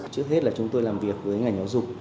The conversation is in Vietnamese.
trước hết là chúng tôi làm việc với ngành giáo dục